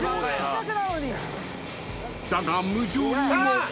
［だが無情にも］